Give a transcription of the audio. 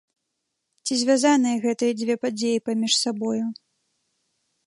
Ці звязаныя гэтыя дзве падзеі паміж сабою?